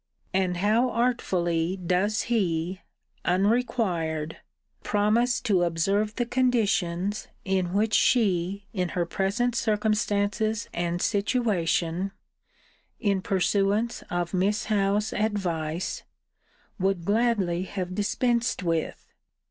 And how artfully does he (unrequired) promise to observe the conditions in which she in her present circumstances and situation (in pursuance of Miss Howe's advice) would gladly have dispensed with?